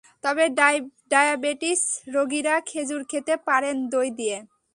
তবে ডায়াবেটিস রোগীরা খেজুর খেতে পারেন দই দিয়ে।